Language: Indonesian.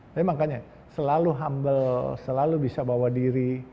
tapi makanya selalu humble selalu bisa bawa diri